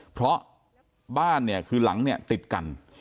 เพราะบ้านหลังติดกัน